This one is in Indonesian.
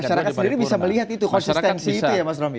dan masyarakat sendiri bisa melihat itu konsistensi itu ya mas rami